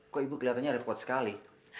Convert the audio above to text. kok ibu kelihatannya repot sekali